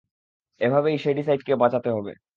এভাবেই শ্যাডিসাইডকে বাঁচাতে হবে।